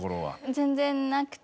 全然なくて。